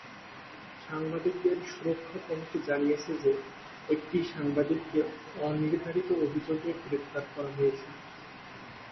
সাংবাদিকদের সুরক্ষা কমিটি জানিয়েছে যে এক সাংবাদিককে অনির্ধারিত অভিযোগে গ্রেপ্তার করা হয়েছিল।